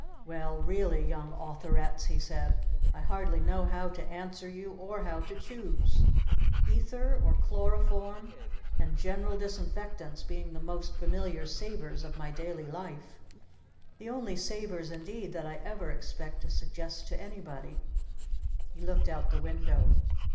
"Well really, Young Authorettes," he said, "I hardly know how to answer you or how to choose. Ether or Chloroform and general Disinfectants being the most familiar savors of my daily life, the only savors indeed that I ever expect to suggest to anybody " He looked out the window.